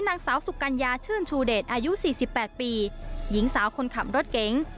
นางสาวสุกัญญาชื่นชูเดชอายุ๔๘ปีหญิงสาวคนขับรถเก๋ง